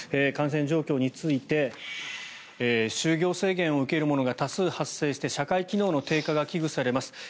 感染状況について就業制限を受ける者が多数発生して社会機能の低下が危惧されます。